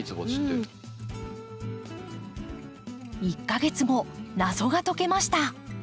１か月後謎が解けました。